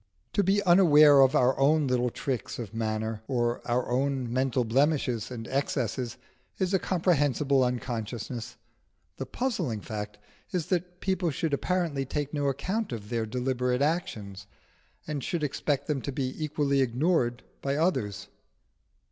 To be unaware of our own little tricks of manner or our own mental blemishes and excesses is a comprehensible unconsciousness; the puzzling fact is that people should apparently take no account of their deliberate actions, and should expect them to be equally ignored by others.